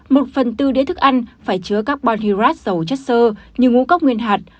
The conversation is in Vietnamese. một phần tư đĩa thức ăn phải chứa các bonhirat dầu chất sơ như ngũ cốc nguyên hạt